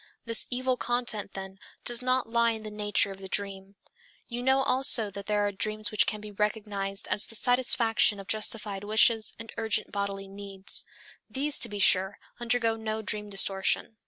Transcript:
This evil content, then, does not lie in the nature of the dream. You know also that there are dreams which can be recognized as the satisfaction of justified wishes and urgent bodily needs. These, to be sure, undergo no dream distortion.